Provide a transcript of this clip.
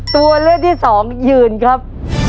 ตัวเลือกที่สองยืนครับ